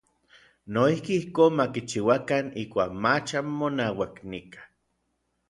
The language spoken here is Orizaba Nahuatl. Noijki ijkon ma kichiuakan ijkuak mach anmonauak nikaj.